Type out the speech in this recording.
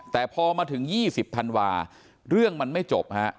แต่พอมาถึง๒๐ธันวาเรื่องมันไม่จบฮะ